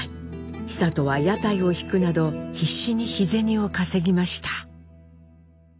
久渡は屋台を引くなど必死に日銭を稼ぎました。